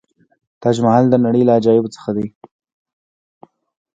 تاج محل د نړۍ له عجایبو څخه دی.